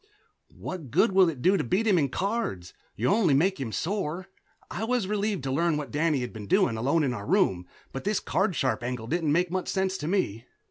"What good will it do to beat him in cards? You'll only make him sore." I was relieved to learn what Danny had been doing, alone in our room, but this card sharp angle didn't make much sense to me.